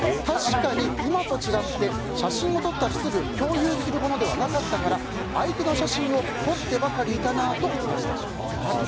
確かに今と違って写真を撮ったらすぐ共有するものではなかったから相手の写真を撮ってばかりいたなと思い出しましたと。